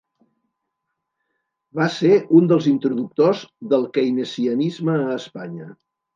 Va ser un dels introductors del keynesianisme a Espanya.